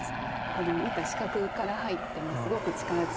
この見た視覚から入ってもすごく力強いし。